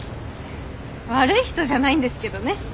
悪い人じゃないんですけどね。